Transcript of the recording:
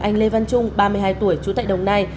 anh lê văn trung ba mươi hai tuổi trú tại đồng nai